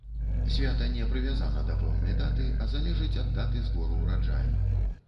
Свята не прывязана да пэўнай даты, а залежыць ад даты збору ўраджаю.